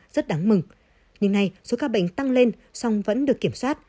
rất đáng mừng nhưng nay số ca bệnh tăng lên song vẫn được kiểm soát